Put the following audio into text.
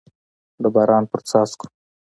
د باران په څاڅکو